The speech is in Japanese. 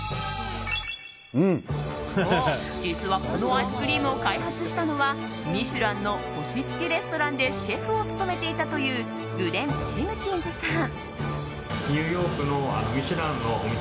実は、このアイスクリームを開発したのは「ミシュラン」の星付きレストランでシェフを務めていたというグレン・シムキンズさん。